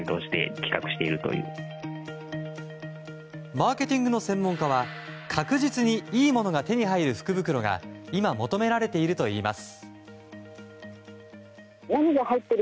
マーケティングの専門家は確実にいいものが手に入る福袋が今、求められているといいます。